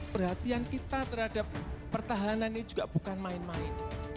perhatian kita terhadap pertahanan ini juga bukan main main